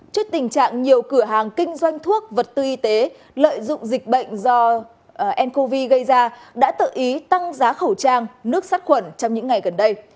trước tình trạng nhiều cửa hàng kinh doanh thuốc vật tư y tế lợi dụng dịch bệnh do ncov gây ra đã tự ý tăng giá khẩu trang nước sát quẩn trong những ngày gần đây